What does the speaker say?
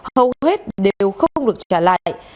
hầu hết đều không được trả lại